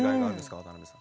渡辺さん。